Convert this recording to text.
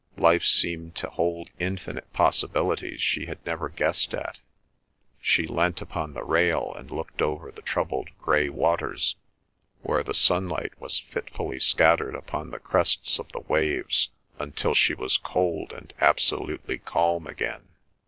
Life seemed to hold infinite possibilities she had never guessed at. She leant upon the rail and looked over the troubled grey waters, where the sunlight was fitfully scattered upon the crests of the waves, until she was cold and absolutely calm again.